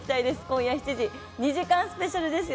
今夜７時、２時間スペシャルです。